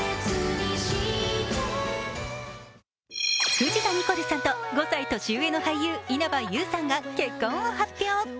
藤田ニコルさんと５歳年上の俳優稲葉友さんが結婚を発表。